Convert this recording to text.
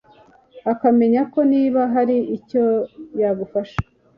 ukamenya koko niba hari icyo yagufasha